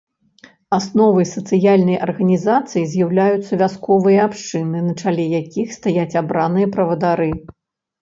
Асновай сацыяльнай арганізацыі з'яўляюцца вясковыя абшчыны, на чале якіх стаяць абраныя правадыры.